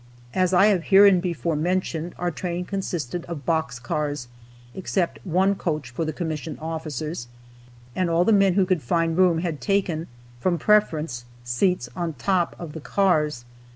As I have hereinbefore mentioned, our train consisted of box cars, (except one coach for the commissioned officers,) and all the men who could find room had taken, from preference, seats on top of the cars.